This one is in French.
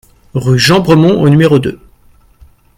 Rue Jean Bremond au numéro deux